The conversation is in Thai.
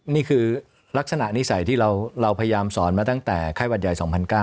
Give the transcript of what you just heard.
นี่คือลักษณะนิสัยที่เราพยายามสอนมาตั้งแต่ไข้หวัดใหญ่๒๐๐๙